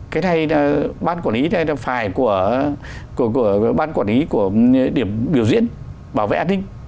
cái này bán quản lý phải của điểm biểu diễn bảo vệ an ninh